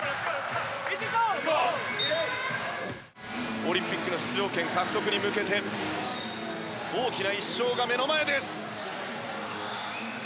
オリンピックの出場権獲得に向けて大きな１勝が目の前です。